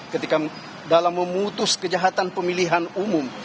ketika dalam memutus kejahatan pemilihan umum